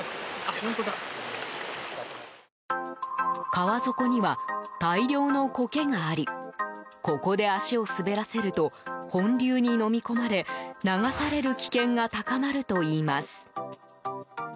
川底には大量のコケがありここで足を滑らせると本流にのみ込まれ流される危険が高まるといいます。